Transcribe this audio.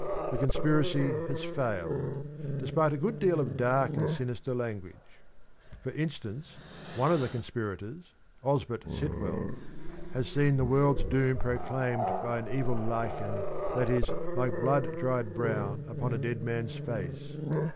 The conspiracy has failed, despite a good deal of dark and sinister language. For instance, one of the conspirators, Osbert Sitwell, has seen the Avorld's doom proclaimed by an evil lichen that is ' like blood dried brown upon a dead man's face.'